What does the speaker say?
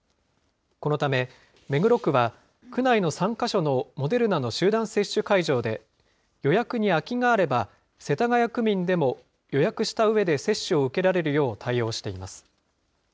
このため、目黒区は、区内の３か所のモデルナの集団接種会場で、予約に空きがあれば、世田谷区民でも予約したうえで接種を受けられるよう対応しています。